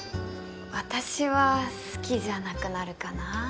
私は好きじゃなくなるかな。